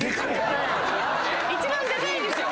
一番でかいんですよ。